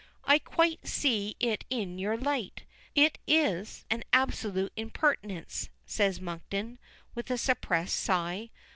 "I quite see it in your light. It is an absolute impertinence," says Monkton, with a suppressed sigh.